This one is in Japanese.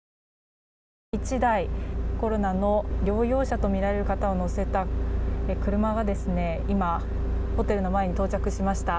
１台、コロナの療養者とみられる方を乗せた車が今、ホテルの前に到着しました。